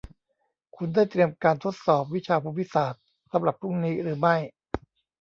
คุณได้เตรียมการทดสอบวิชาภูมิศาสตร์สำหรับพรุ่งนี้หรือไม่